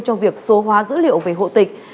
trong việc số hóa dữ liệu về hộ tịch